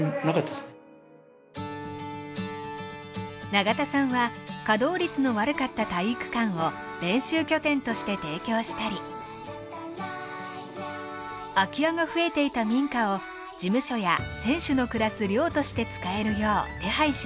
長田さんは稼働率の悪かった体育館を練習拠点として提供したり空き家が増えていた民家を事務所や選手の暮らす寮として使えるよう手配しました。